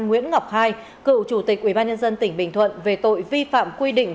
nguyễn ngọc hai cựu chủ tịch ubnd tỉnh bình thuận về tội vi phạm quy định